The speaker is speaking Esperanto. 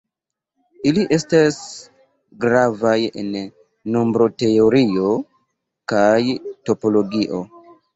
Ili estas gravaj en nombroteorio kaj topologio.